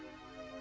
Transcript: aku sudah berjalan